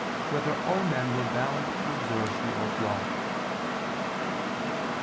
5] Whether All Men Were Bound to Observe the Old Law?